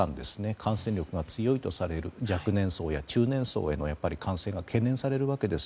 感染力が強いとされる若年層、中年層への感染が懸念されるので。